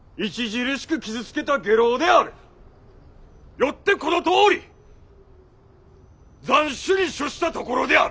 よってこのとおり斬首に処したところである！